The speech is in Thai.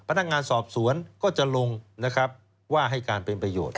พนักงานสอบสวนก็จะลงนะครับว่าให้การเป็นประโยชน์